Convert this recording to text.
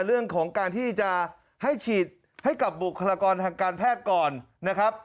เรื่องของการที่จะให้ฉีดให้กับบุคลากรทางการแพทย์ก่อนนะครับ